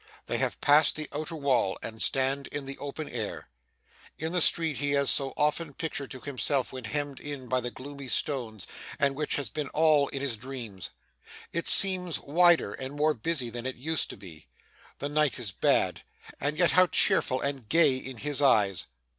They have passed the outer wall, and stand in the open air in the street he has so often pictured to himself when hemmed in by the gloomy stones, and which has been in all his dreams. It seems wider and more busy than it used to be. The night is bad, and yet how cheerful and gay in his eyes!